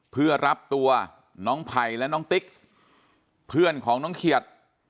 เพื่อรับตัวน้องไผ่และน้องติ๊กเพื่อนของน้องเขียด